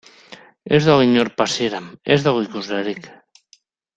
Ez dago inor pasieran, ez dago ikuslerik.